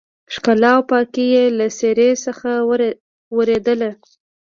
ښکلا او پاکي يې له څېرې څخه ورېدلې.